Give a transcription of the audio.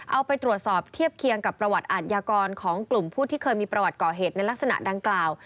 เอาไปตรวจสอบเทียบเคียงกับประวัติอาทยากรของกลุ่มผู้ที่เคยมีประวัติก่อเหตุในลักษณะดังกล่าว